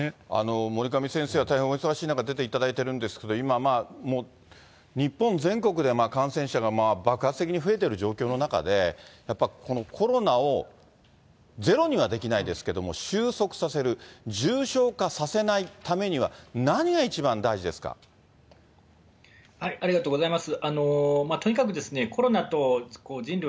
守上先生は大変お忙しい中出ていただいてるんですけど、今、日本全国で感染者が爆発的に増えてる状況の中で、やっぱりこのコロナをゼロにはできないですけども、収束させる、重症化させないためには、ありがとうございます。